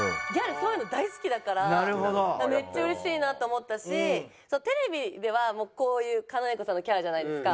そういうの大好きだからめっちゃうれしいなと思ったしテレビではもうこういう狩野英孝さんのキャラじゃないですか。